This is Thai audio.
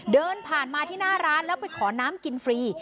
เดินผ่านมาที่หน้าร้านแล้วไปขอน้ำกินฟรี